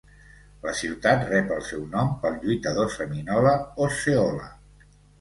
La ciutat rep el seu nom pel lluitador seminola Osceola.